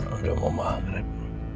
udah mau madrib